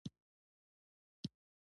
د مسجد ظاهري ښکلا مهمه نه ده.